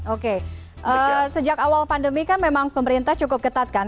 oke sejak awal pandemi kan memang pemerintah cukup ketat kan